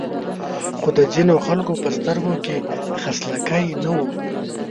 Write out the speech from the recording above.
خو د ځینو خلکو په سترګو کې خلسکی نه و.